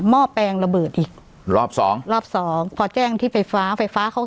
ห้อแปลงระเบิดอีกรอบสองรอบสองพอแจ้งที่ไฟฟ้าไฟฟ้าเขา